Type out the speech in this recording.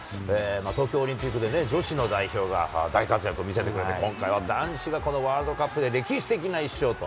東京オリンピックでね、女子の代表が大活躍を見せてくれて、今回は男子がこのワールドカップで歴史的な一勝と。